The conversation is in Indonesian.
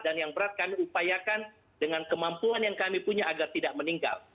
dan yang berat kami upayakan dengan kemampuan yang kami punya agar tidak meninggal